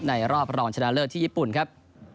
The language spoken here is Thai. รอบรองชนะเลิศที่ญี่ปุ่นครับ